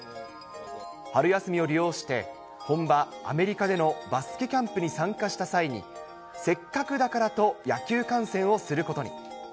春休みを利用して、本場、アメリカでのバスケキャンプに参加した際に、せっかくだからと野球観戦をすることに。